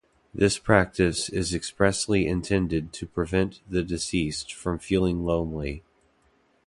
This practice is expressly intended to prevent the deceased from feeling lonely.